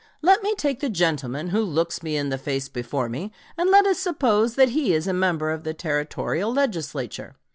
Let me take the gentleman who looks me in the face before me, and let us suppose that he is a member of the Territorial Legislature.